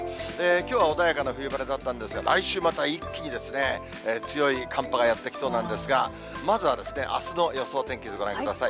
きょうは穏やかな冬晴れだったんですが、来週また一気に強い寒波がやって来そうなんですが、まずは、あすの予想天気図ご覧ください。